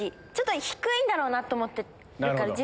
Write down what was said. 低いんだろうなと思ってるから。